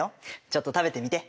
ちょっと食べてみて。